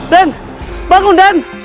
den bangun den